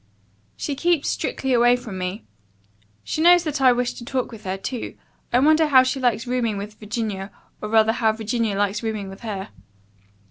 She keeps strictly away from me. She knows that I wish to talk with her, too. I wonder how she likes rooming with Virginia, or rather how Virginia likes rooming with her."